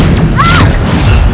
aku tidak tahu